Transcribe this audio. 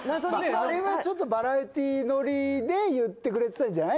あれはちょっとバラエティーノリで言ってくれてたんじゃない？